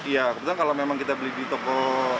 iya kebetulan kalau memang kita beli di toko